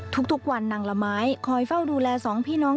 ทุกวันนางละไม้คอยเฝ้าดูแลสองพี่น้อง